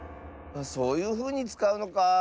そういうふうにつかうのかあ。